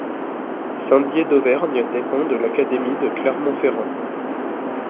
Saint-Dier-d'Auvergne dépend de l'académie de Clermont-Ferrand.